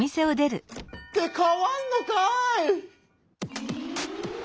ってかわんのかい！